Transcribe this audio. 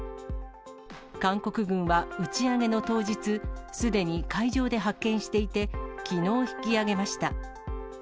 韓国軍は打ち上げの当日、すでに海上で発見していて、きのう引き揚げました。